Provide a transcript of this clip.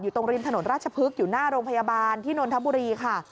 ตรงริมถนนราชพฤกษ์อยู่หน้าโรงพยาบาลที่นนทบุรีค่ะ